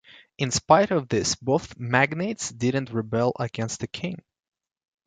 In spite of this, both magnates didn't rebel against the King.